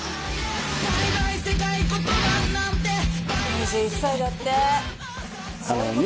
２１歳だって。